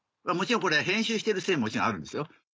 もちろんこれは編集してるせいもあるんですよ。